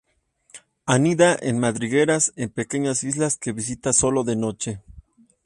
Anida en madrigueras en pequeñas islas que visita solo de noche.